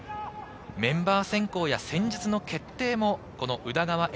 メンバー選考や戦術の決定も宇田川瑛